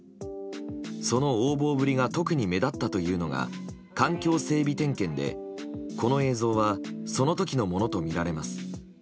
その横暴ぶりが特に目立ったというのが環境整備点検でこの映像はその時のものとみられます。